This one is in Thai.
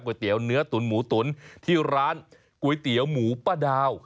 เตี๋ยวเนื้อตุ๋นหมูตุ๋นที่ร้านก๋วยเตี๋ยวหมูป้าดาว